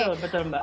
betul betul mbak